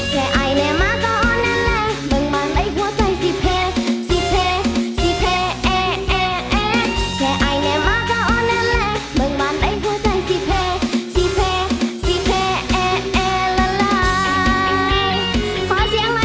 แค่อายแน่มากก็อ่อนแน่แหละ